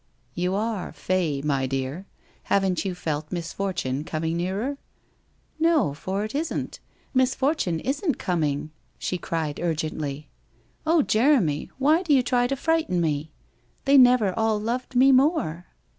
' You are " fey," my dear. Haven't you felt misfortune coming nearer?' ' No, for it isn't. Misfortune isn't coming,' she cried urgently. 'Oh, Jeremy, why do you try to frighten me? They never all loved me more.